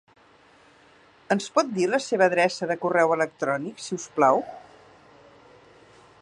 Ens pot dir la seva adreça de correu electrònic, si us plau?